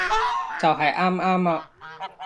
就喺啱啱啊